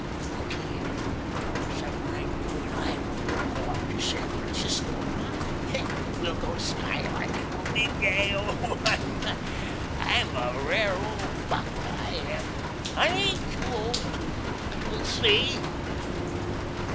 Look here! Some night you and I will go up to San Francisco hey? We'll go skylarking. We'll be gay. Oh, I'm a a a rare old BUCK, I am! I ain't too old. You'll see."